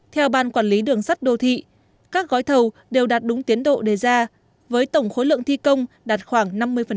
theo ban quản lý đường sắt đô thị các gói thầu đều đạt đúng tiến độ đề ra với tổng khối lượng thi công đạt khoảng năm mươi